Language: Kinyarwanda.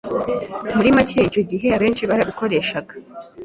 ‘muri make icyo gihe abenshi barikoreshaga